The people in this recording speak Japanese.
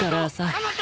あなた！